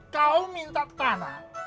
kau minta tanah